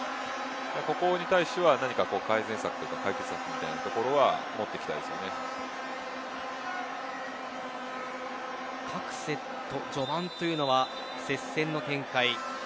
ここに対して何か改善策みたいなところは各セット、序盤というのは接戦の展開。